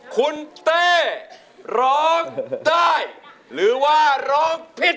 คุณเต้ร้องได้หรือว่าร้องผิด